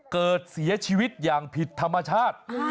เกิดเสียชีวิตอย่างผิดธรรมชาติ